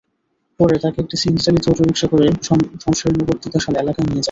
পরে তাঁকে একটি সিএনজিচালিত অটোরিকশা করে সমশেরনগর তিতাশাল এলাকায় নিয়ে যান।